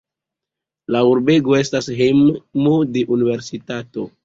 La urbego estas hejmo de universitato.